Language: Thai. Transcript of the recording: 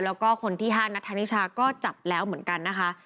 แล้วก็คนที่๕นัทธานิชาก็จับแล้วเหมือนกันนะคะ